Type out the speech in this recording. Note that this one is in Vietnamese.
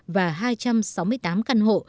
và hai trăm sáu mươi tám căn hộ